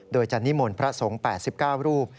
โดยจะนิมนต์พระสงฆ์๘๙รูป